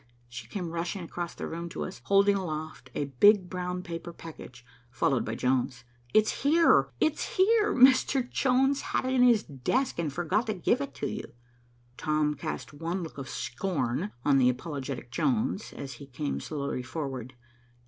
and she came rushing across the room to us, holding aloft a big brown paper package, followed by Jones. "It's here, it's here! Mr. Jones had it in his desk, and forgot to give it to you." Tom cast one look of scorn on the apologetic Jones, as he came slowly forward.